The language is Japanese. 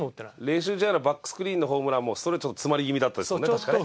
練習試合のバックスクリーンのホームランもストレート詰まり気味だったですもんね確かね。